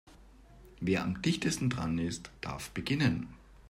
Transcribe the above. Wer am dichtesten dran ist, darf beginnen.